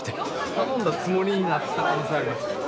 頼んだつもりになってた可能性ありますからね。